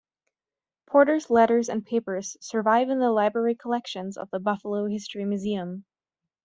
Porter's letters and papers survive in the library collections of the Buffalo History Museum.